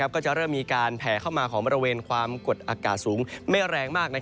ก็จะเริ่มมีการแผ่เข้ามาของบริเวณความกดอากาศสูงไม่แรงมาก